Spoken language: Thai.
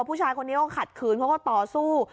ผู้ชายคนนี้เขาขัดขืนเขาก็ต่อสู้